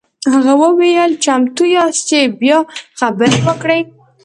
هغه وویل چمتو یاست چې بیا خبرې وکړو.